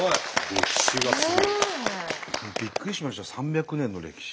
歴史がすごい。びっくりしました３００年の歴史。